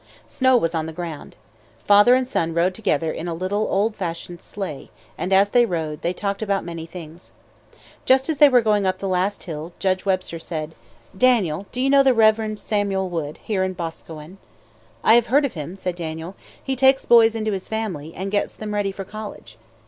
Snow was on the ground. Father and son rode together in a little, old fashioned sleigh; and as they rode, they talked about many things. Just as they were going up the last hill, Judge Webster said: "Daniel, do you know the Rev. Samuel Wood, here in Boscawen?" "I have heard of him," said Daniel. "He takes boys into his family, and gets them ready for college."